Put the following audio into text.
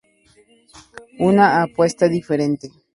Una apuesta diferente.